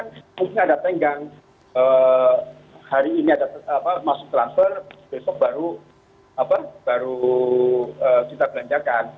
dengan krisis ini kadang kadang kan mungkin ada tenggang hari ini ada masuk transfer besok baru kita belanjakan